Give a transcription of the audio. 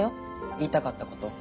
言いたかったこと。